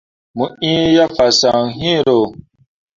Mo iŋ ye fasaŋ iŋro.